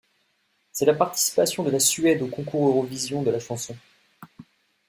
C'est la participation de la Suède au Concours Eurovision de la chanson.